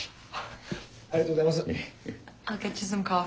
ありがとうございます。